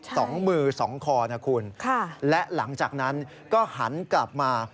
ใช่ค่ะและหลังจากนั้นก็หันกลับมา